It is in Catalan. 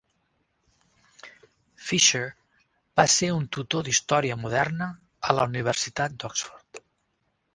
Fisher va ser un tutor d'història moderna a la Universitat d'Oxford.